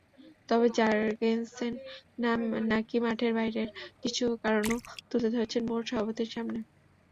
তবে জার্গেনসেন নাকি মাঠের বাইরের কিছু কারণও তুলে ধরেছেন বোর্ড সভাপতির সামনে।